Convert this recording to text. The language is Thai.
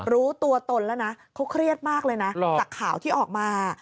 รู้ตัวตนแล้วนะเขาเครียดมากเลยนะจากข่าวที่ออกมา